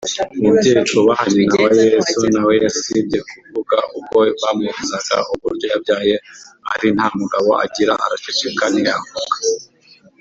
Umubyeyi twubaha nyina wa Yesu) nawe yasibye kuvuga ubwo bamubazaga uburyo yabyaye ari nta mugabo agira araceceka ntiyavuga